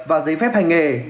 và giấy phép hành nghề